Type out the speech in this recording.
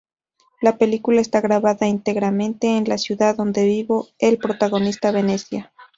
La película está grabada íntegramente en la ciudad donde vivió el protagonista, Venecia.